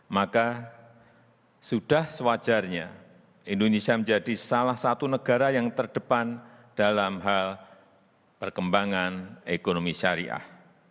maka sudah sewajarnya indonesia menjadi salah satu negara yang terdepan dalam hal perkembangan ekonomi syariah